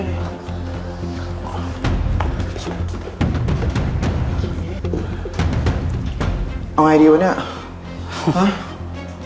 เอาไงดีวะเนี่ย